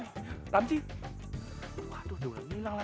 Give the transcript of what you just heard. ih situ yang meluk